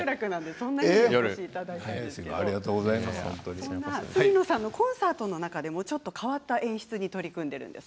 そんな角野さんのコンサートの中でもちょっと変わった演出に取り組んでいます。